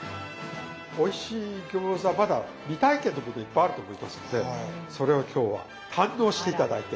おいしい餃子はまだ未体験の部分がいっぱいあると思いますのでそれを今日は堪能して頂いて。